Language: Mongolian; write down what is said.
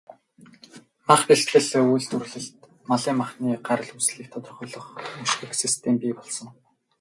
Мах бэлтгэл, үйлдвэрлэлд малын махны гарал үүслийг тодорхойлох, мөшгөх систем бий болгосон.